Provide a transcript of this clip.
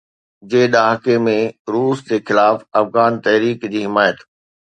جي ڏهاڪي ۾ روس جي خلاف افغان تحريڪ جي حمايت